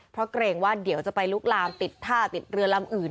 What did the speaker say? เพราะเกรงว่าเดี๋ยวจะไปลุกลามติดท่าติดเรือลำอื่น